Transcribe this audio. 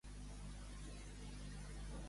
Desfer els correigs de la sabata.